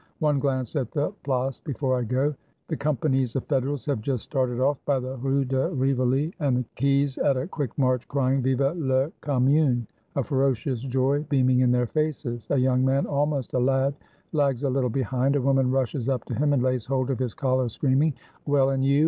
One glance at the Place before I go. The companies of Federals have just started off by the Rue de Rivoli and the quays at a quick march, crying, " Vive la Com mune fa, ferocious joy beaming in their faces. A young man, almost a lad, lags a little behind; a woman rushes up to him, and lays hold of his collar, screaming, "Well, and you!